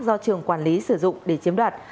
do trường quản lý sử dụng để chiếm đoạt